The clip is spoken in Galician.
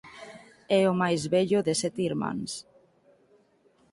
É o máis vello de sete irmáns.